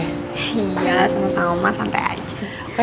iya sama sama santai aja